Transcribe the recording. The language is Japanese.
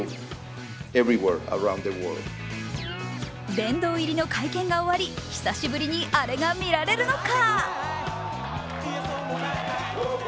殿堂入りの会見が終わり、久しぶりにあれが見られるのか。